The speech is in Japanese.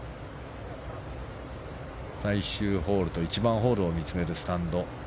最終ホールと１番ホールを見つめるスタンド。